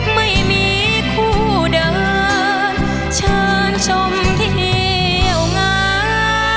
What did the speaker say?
ไม่มีคู่เดินเชิญชมเที่ยวงาน